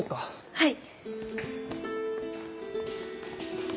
はい。